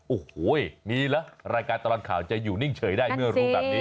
โอ้โหมีแล้วรายการตลอดข่าวจะอยู่นิ่งเฉยได้เมื่อรู้แบบนี้